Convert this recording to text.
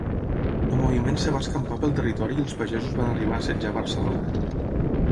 El moviment es va escampar pel territori i els pagesos van arribar a assetjar Barcelona.